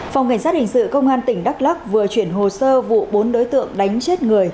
phòng cảnh sát hình sự công an tỉnh đắk lắc vừa chuyển hồ sơ vụ bốn đối tượng đánh chết người